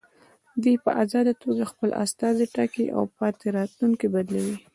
دوی په ازاده توګه خپل استازي ټاکي او پاتې راتلونکي بدلوي.